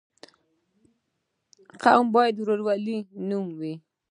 قوم باید د ورورولۍ نوم وي.